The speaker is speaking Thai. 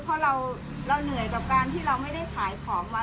เพราะเราเหนื่อยกับการที่เราไม่ได้ขายของมา